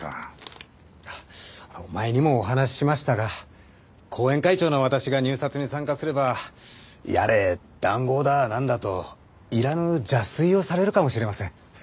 前にもお話ししましたが後援会長の私が入札に参加すればやれ談合だなんだといらぬ邪推をされるかもしれません。